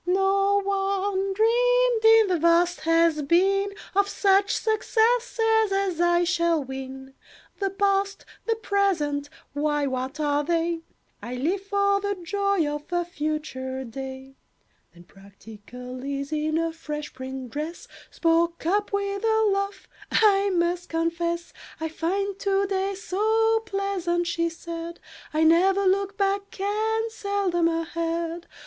"No one dreamed, in the vast Has Been, Of such successes as I shall win. "The past, the present—why, what are they? I live for the joy of a future day." Then practical Is, in a fresh print dress, Spoke up with a laugh, "I must confess "I find to day so pleasant," she said, "I never look back, and seldom ahead.